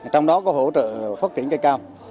trong đó có hỗ trợ phát triển cây cao